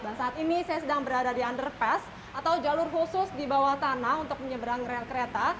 dan saat ini saya sedang berada di underpass atau jalur khusus di bawah tanah untuk menyeberang rel kereta